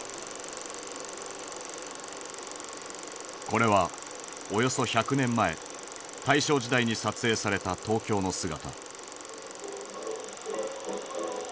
これはおよそ１００年前大正時代に撮影された東京の姿。